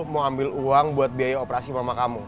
mau ambil uang buat biaya operasi mama kamu